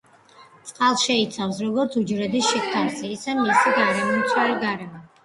წყალს შეიცავს, როგორც უჯრედის შიგთავსი ისე მისი გარემომცველი გარემო.